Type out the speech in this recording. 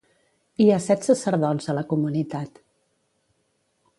Hi ha set sacerdots a la comunitat.